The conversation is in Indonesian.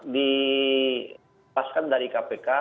di lepaskan dari kpk